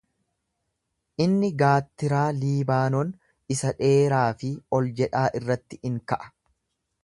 Inni gaattiraa Liibaanon isa dheeraa fi ol jedhaa irratti in ka'a.